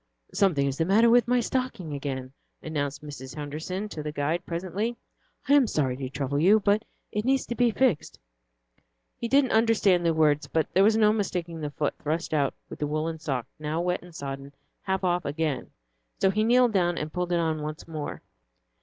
"Something is the matter with my stocking again," announced Mrs. Henderson to the guide, presently. "I am sorry to trouble you, but it needs to be fixed." He didn't understand the words, but there was no mistaking the foot thrust out with the woollen sock, now wet and sodden, half off again. So he kneeled down and pulled it on once more.